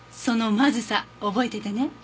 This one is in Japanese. そのまずさ覚えててね。